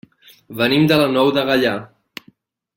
Venim de la Nou de Gaià.